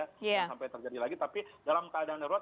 jangan sampai terjadi lagi tapi dalam keadaan darurat